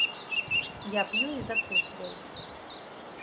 Я п'ю і закусваю.